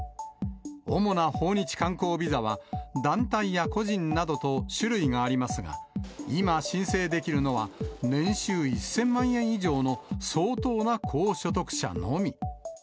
主な訪日観光ビザは団体や個人などと種類がありますが、今、申請できるのは、年収１０００万円以上の相当な高所得者のみ。